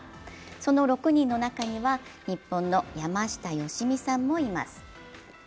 その６人の中には日本の山下良美さんもいます。